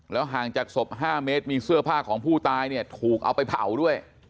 ห่างจากศพ๕เมตรมีเสื้อผ้าของผู้ตายเนี่ยถูกเอาไปเผาด้วย